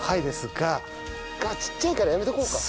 がちっちゃいからやめとこうか。